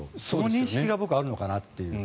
その認識があるのかなって。